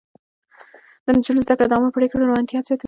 د نجونو زده کړه د عامه پرېکړو روڼتيا زياتوي.